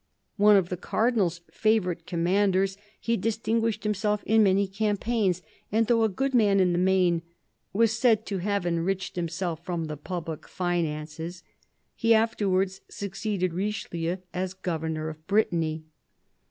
One of the Cardinal's favourite commanders, he distinguished him self in many campaigns, and, though a good man in the main, was said to have enriched himself from the public finances. He afterwards succeeded Richelieu as Governor of Brittany.